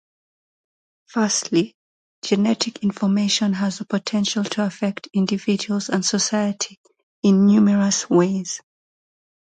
Firstly, genetic information has the potential to affect individuals and society in numerous ways.